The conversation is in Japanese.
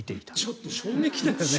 ちょっと衝撃だよね。